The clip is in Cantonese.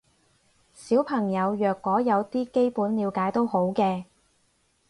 小朋友若果有啲基本了解都好嘅